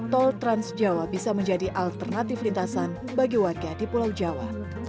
tol transjawa bisa menjadi alternatif lintasan bagi warga di pulau jawa